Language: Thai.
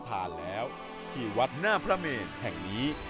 ที่วัดน่าพระเมียทั้งนี้